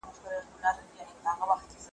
ماته راوړه په ګېډیو کي رنګونه ,